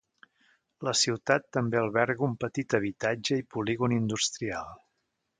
La ciutat també alberga un petit habitatge i polígon industrial.